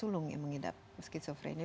sulung yang mengidap skizofrenia